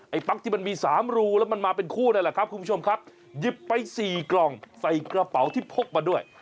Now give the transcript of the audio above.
ปั๊กที่มันมีสามรูแล้วมันมาเป็นคู่นั่นแหละครับคุณผู้ชมครับหยิบไปสี่กล่องใส่กระเป๋าที่พกมาด้วย